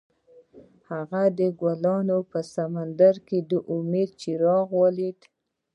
هغه د ګلونه په سمندر کې د امید څراغ ولید.